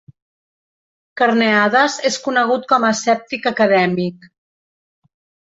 Carneades és conegut com a escèptic acadèmic.